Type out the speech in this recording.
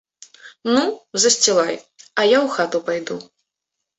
Ну, засцілай, а я ў хату пайду.